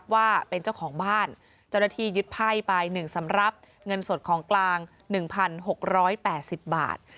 ว่าเป็นเจ้าของบ้านเจ้าหน้าที่ยึดไพ่ไป๑สำหรับเงินสดของกลาง๑๖๘๐บาท